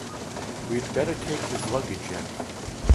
We'd better take his luggage in.